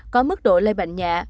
có mức độ lây bệnh nhẹ